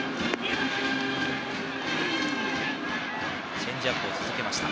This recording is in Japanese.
チェンジアップを続けました。